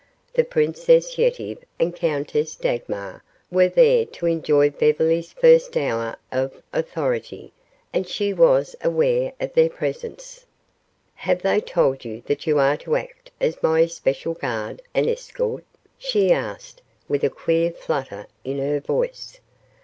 The Princess Yetive and the Countess Dagmar were there to enjoy Beverly's first hour of authority, and she was aware of their presence. "Have they told you that you are to act as my especial guard and escort?" she asked, with a queer flutter in her voice.